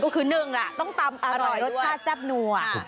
ก็คือหนึ่งต้องตำอร่อยรสชาติแซ่บนัว